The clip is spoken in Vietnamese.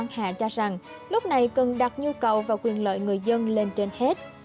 hạ cho rằng lúc này cần đặt nhu cầu và quyền lợi người dân lên trên hết